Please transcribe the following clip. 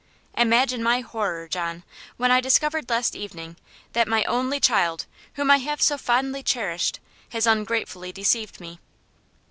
Imagine my horror, John, when I discovered last evening that my only child, whom I have so fondly cherished, has ungratefully deceived me.